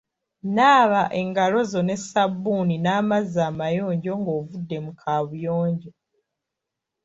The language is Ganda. Naaba engalo zo ne sabbuuni n'amazzi amayonjo nga ovudde mu kaabuyonjo.